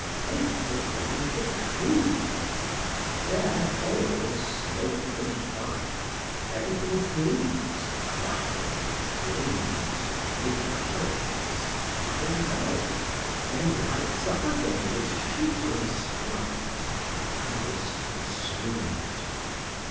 Take the phrase for truth. There all is smoke and fire, everything gleams, crackles, flames, evaporates, dies out, then lights up again, with shooting sparks, and is consumed.